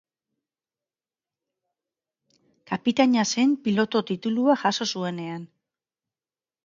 Kapitaina zen pilotu titulua jaso zuenean.